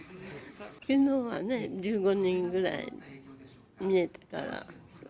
きのうはね、１５人ぐらいみえたから。